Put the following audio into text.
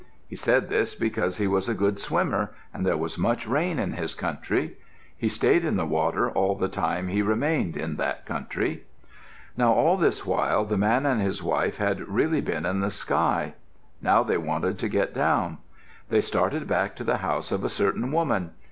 He said this because he was a good swimmer and there was much rain in his country. He stayed in the water all the time he remained in that country. Now all this while the man and his wife had really been in the sky. Now they wanted to get down. They started back to the house of a certain woman.